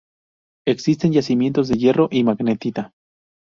Existen yacimientos de hierro y magnetita.